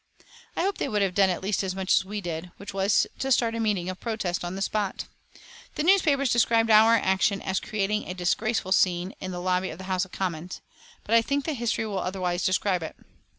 I hope they would have done at least as much as we did, which was to start a meeting of protest on the spot. The newspapers described our action as creating a disgraceful scene in the lobby of the House of Commons, but I think that history will otherwise describe it.